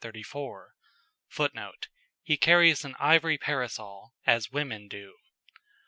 [Footnote: "He carries an ivory parasol, as women do."